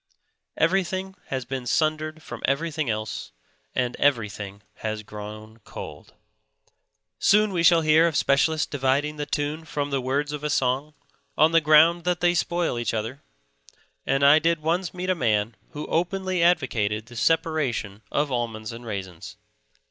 Everything has been sundered from everything else, and everything has grown cold. Soon we shall hear of specialists dividing the tune from the words of a song, on the ground that they spoil each other; and I did once meet a man who openly advocated the separation of almonds and raisins.